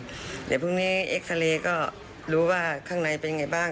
เดี๋ยวพรุ่งนี้เอ็กซาเรย์ก็รู้ว่าข้างในเป็นไงบ้าง